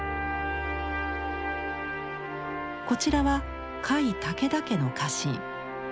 こちらは甲斐武田家の家臣。